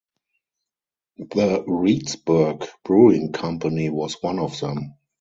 The Reedsburg Brewing Company was one of them.